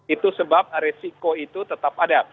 itu sebab resiko itu tetap ada